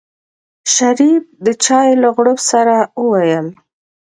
شريف د چای له غړپ سره وويل.